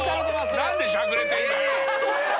何でしゃくれてんだよ！